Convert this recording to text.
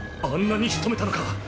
あんなに仕留めたのか。